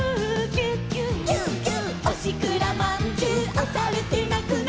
「おしくらまんじゅうおされてなくな」